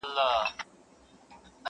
دا د زړه ورو مورچل مه ورانوی؛